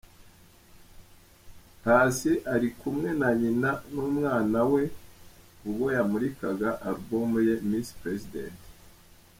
Paccy ari kumwe na Nyina n'umwana we, ubwo yamurikaga alubumu ye Miss President.